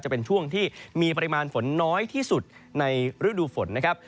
จะเป็นช่วงที่มีปริมาณฝนน้อยที่สุดในฤดูฝนนะครับ